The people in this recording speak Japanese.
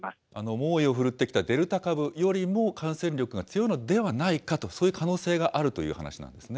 猛威を振るってきたデルタ株よりも感染力が強いのではないかと、そういう可能性があるという話なんですね。